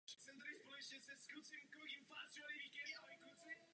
Proto podporujeme většinu zde přijatých stanovisek.